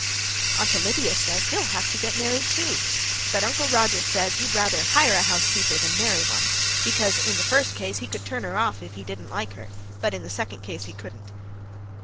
"Aunt Olivia says he'll have to get married, too. But Uncle Roger says he'd rather hire a housekeeper than marry one, because in the first case he could turn her off if he didn't like her, but in the second case he couldn't."